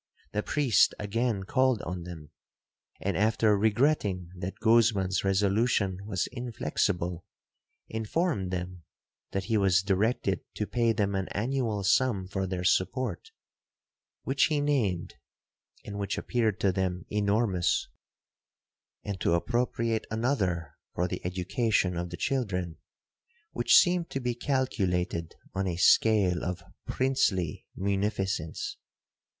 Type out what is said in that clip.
The priest again called on them, and, after regretting that Guzman's resolution was inflexible, informed them, that he was directed to pay them an annual sum for their support, which he named, and which appeared to them enormous; and to appropriate another for the education of the children, which seemed to be calculated on a scale of princely munificence.